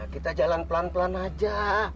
kita jalan pelan pelan aja